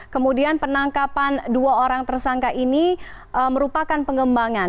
kemudian penangkapan dua orang tersangka ini merupakan pengembangan